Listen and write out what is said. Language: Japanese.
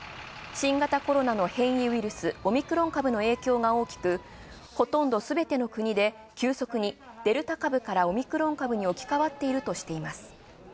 新型コロナの変異ウイルス、オミクロン株への影響が大きく急速にデルタ株からオミクロン株に置き換わったとしています。